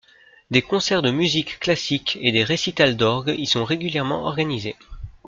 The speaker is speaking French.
Des concerts de musique classique et des récitals d'orgue y sont régulièrement organisés.